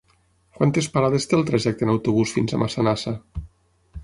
Quantes parades té el trajecte en autobús fins a Massanassa?